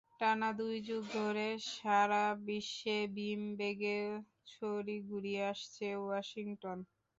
টানা দুই যুগ ধরে সারা বিশ্বে ভীম-বেগে ছড়ি ঘুরিয়ে আসছে ওয়াশিংটন।